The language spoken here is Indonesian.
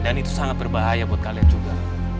dan itu sangat berbahaya buat kalian juga